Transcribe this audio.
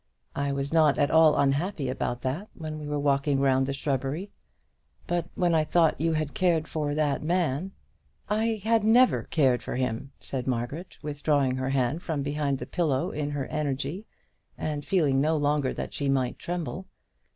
I was not at all unhappy about that when we were walking round the shrubbery. But when I thought you had cared for that man " "I had never cared for him," said Margaret, withdrawing her hand from behind the pillow in her energy, and fearing no longer that she might tremble.